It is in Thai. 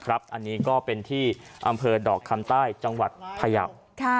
อันนี้ก็เป็นที่อำเภอดอกคำใต้จังหวัดพยาว